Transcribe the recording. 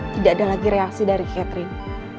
tidak ada lagi reaksi dari catering